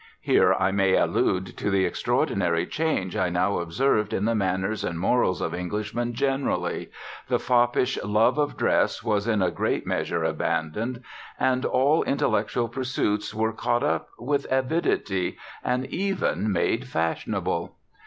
Here I may allude to the extraordinary change I now observed in the manners and morals of Englishmen generally: the foppish love of dress was in a great measure abandoned, and all intellectual pursuits were caught up with avidity, and even made fashionable.